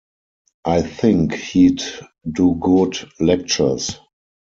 I think he'd do good lectures.